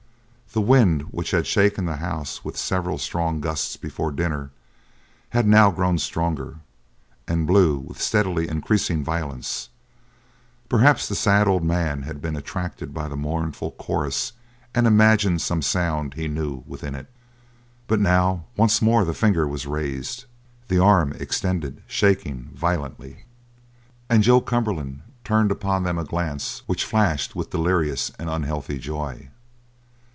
The wind, which had shaken the house with several strong gusts before dinner, had now grown stronger and blew with steadily increasing violence; perhaps the sad old man had been attracted by the mournful chorus and imagined some sound he knew within it. But now once more the finger was raised, the arm extended, shaking violently, and Joe Cumberland turned upon them a glance which flashed with a delirious and unhealthy joy.